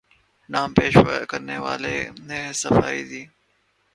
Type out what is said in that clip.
نام پیش کرنے والے نے صفائی دی